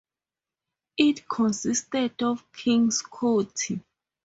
It consisted of Kings County.